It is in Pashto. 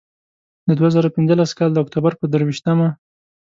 د دوه زره پینځلس کال د اکتوبر پر درویشتمه.